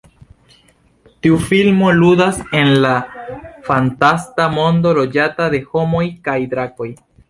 Tiu filmo ludas en fantasta mondo loĝata de homoj kaj drakoj.